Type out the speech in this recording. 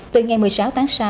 từ ngày một mươi sáu tháng sáu